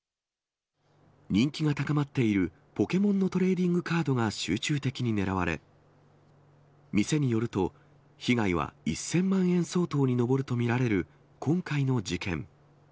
人気が高まっているポケモンのトレーディングカードが集中的に狙われ、店によると、被害は１０００万円相当に上ると見られる今回の事件。